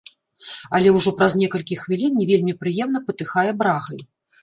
Але ўжо праз некалькі хвілін не вельмі прыемна патыхае брагай.